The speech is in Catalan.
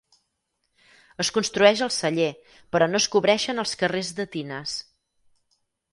Es construeix el celler però no es cobreixen els carrers de tines.